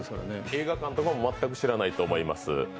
映画館とかは全く知らないと思います。